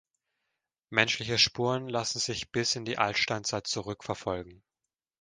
Menschliche Spuren lassen sich bis in die Altsteinzeit zurückverfolgen.